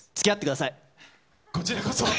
こちらこそ。